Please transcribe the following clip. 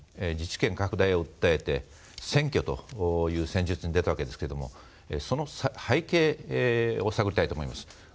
自治権拡大を訴えて占拠という戦術に出たわけですけれどもその背景を探りたいと思います。